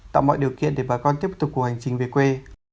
tạo mọi điều kiện để bà con tiếp tục cùng hành trình về quê